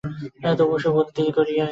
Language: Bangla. তবু তো বন্দী করিয়া রাখিয়াছ।